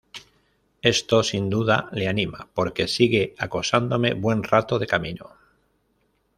esto, sin duda, le anima, porque sigue acosándome buen rato de camino.